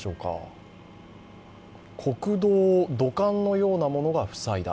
国道を土管のようなものが塞いだ。